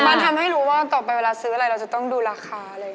มันทำให้รู้ว่าต่อไปเวลาซื้ออะไรเราจะต้องดูราคาอะไรอย่างนี้